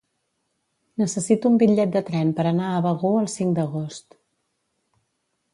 Necessito un bitllet de tren per anar a Begur el cinc d'agost.